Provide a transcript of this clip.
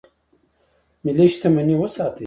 ملي شتمني وساتئ